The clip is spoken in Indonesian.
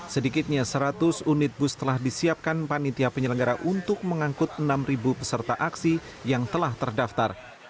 sedikitnya seratus unit bus telah disiapkan panitia penyelenggara untuk mengangkut enam peserta aksi yang telah terdaftar